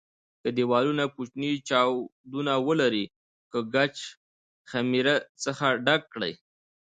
که دېوالونه کوچني چاودونه ولري له ګچ خمېرې څخه یې ډک کړئ.